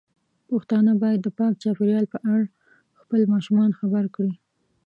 پښتانه بايد د پاک چاپیریال په اړه خپل ماشومان خبر کړي.